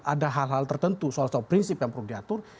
ada hal hal tertentu soal soal prinsip yang perlu diatur